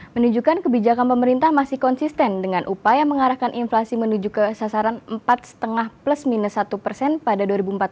menunjukkan kebijakan pemerintah masih konsisten dengan upaya mengarahkan inflasi menuju ke sasaran empat lima plus minus satu persen pada dua ribu empat belas